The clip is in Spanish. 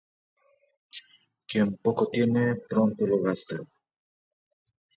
Quien poco tiene pronto lo gasta.